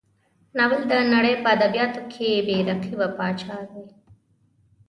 ناول د نړۍ په ادبیاتو کې بې رقیبه پاچا دی.